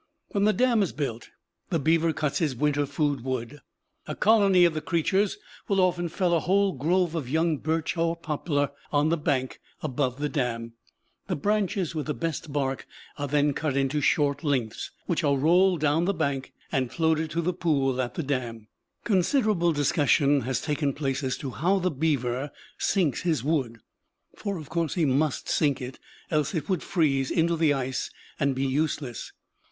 When the dam is built the beaver cuts his winter food wood. A colony of the creatures will often fell a whole grove of young birch or poplar on the bank above the dam. The branches with the best bark are then cut into short lengths, which are rolled down the bank and floated to the pool at the dam. Considerable discussion has taken place as to how the beaver sinks his wood for of course he must sink it, else it would freeze into the ice and be useless.